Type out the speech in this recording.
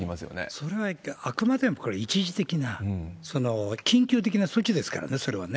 それはあくまでもこれ、一時的な、緊急的な措置ですからね、それはね。